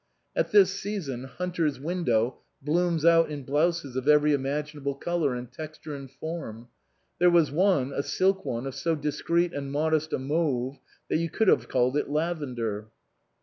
At this season Hunter's window blooms out in blouses of every imaginable colour and texture and form. There was one, a silk one, of so discreet and modest a mauve that you could have called it lavender.